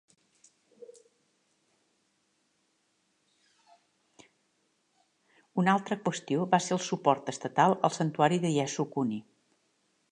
Una altra qüestió va ser el suport estatal al Santuari de Yasukuni.